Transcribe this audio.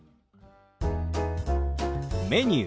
「メニュー」。